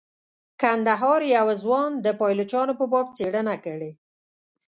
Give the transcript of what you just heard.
کندهار یوه ځوان د پایلوچانو په باب څیړنه کړې.